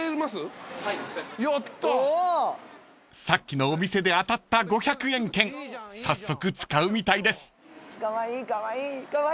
［さっきのお店で当たった５００円券早速使うみたいです］